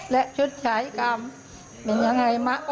และชดใช้กรรมเป็นยังไงมะ